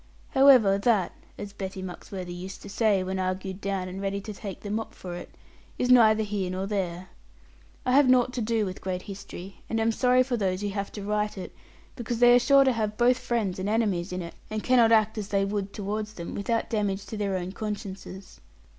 However, that (as Betty Muxworthy used to say, when argued down, and ready to take the mop for it) is neither here nor there. I have naught to do with great history and am sorry for those who have to write it; because they are sure to have both friends and enemies in it, and cannot act as they would towards them, without damage to their own consciences.